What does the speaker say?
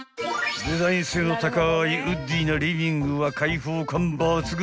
［デザイン性の高いウッディーなリビングは開放感抜群］